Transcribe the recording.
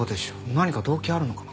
何か動機あるのかな。